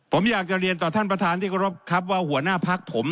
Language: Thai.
ผมอยากจะเรียนต่อท่านประธานที่เคารพครับว่าหัวหน้าพักผม